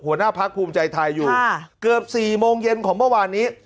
หัวหน้าพักภูมิใจไทยอยู่เกือบ๔โมงเย็นของเมื่อวานนี้